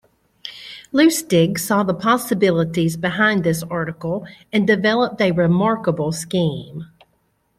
Lustig saw the possibilities behind this article and developed a remarkable scheme.